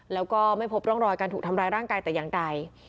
แล้วก็ไม่พบร่องรอยการถูกทำร้ายร่างกายแต่อย่างใด